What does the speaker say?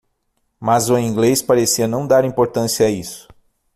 Mas o inglês parecia não dar importância a isso.